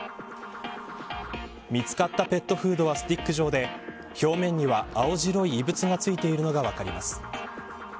見つかったペットフードはスティック状で表面には青白い異物が付いているのが分かります。